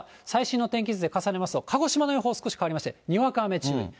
最新の天気図で重ねますと、鹿児島の予報、少し変わりまして、にわか雨注意。